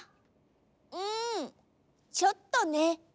うんちょっとね。